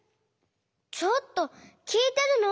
ちょっときいてるの？